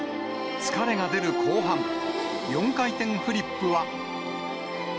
疲れが出る後半、４回転フリップは。